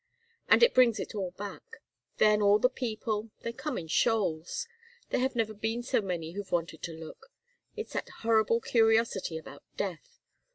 And it brings it all back. Then all the people they come in shoals. There have been ever so many who've wanted to look. It's that horrible curiosity about death.